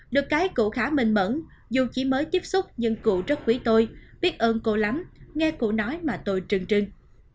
được cái cụ khá minh mẫn dù chỉ mới tiếp xúc nhưng cụ rất quý tôi biết ơn cô lắm nghe cô nói mà tôi trưng trưng